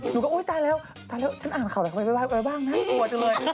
หนูก็อุ๊ยตายแล้วตายแล้วฉันอ่านเขาแล้วไปบ้างน่าสวยจริงเลย